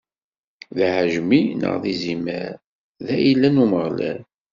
D aɛejmi neɣ d izimer, d ayla n Umeɣlal.